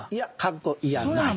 いやない。